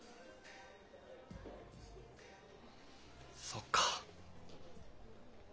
そっか。